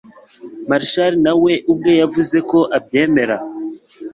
Marshall na we ubwe yavuze ko abyemera